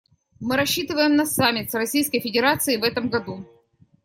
И мы рассчитываем на саммит с Российской Федерацией в этом году.